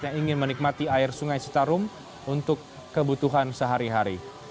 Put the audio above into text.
yang ingin menikmati air sungai citarum untuk kebutuhan sehari hari